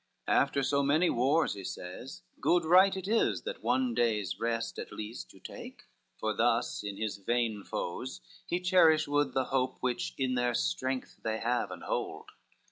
"After so many wars," he says, "good right It is, that one day's rest at least you take," For thus in his vain foes he cherish would The hope which in their strength they have and hold.